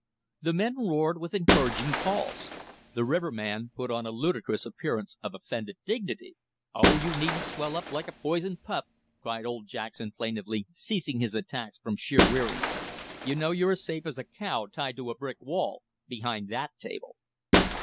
The men roared, with encouraging calls. The riverman put on a ludicrous appearance of offended dignity. "Oh, you needn't swell up like a poisoned pup!" cried old Jackson plaintively, ceasing his attacks from sheer weariness. "You know you're as safe as a cow tied to a brick wall behind that table."